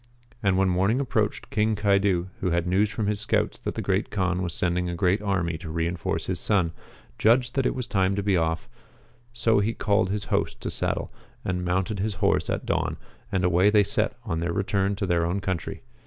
And when morning approached, King Caidu, who had news from his scouts that the Great Kaan was sending a great army to reinforce his son, judged that it was time to be off; so he called his host to saddle and mounted his horse at dawn, and away they set on their return to their own country.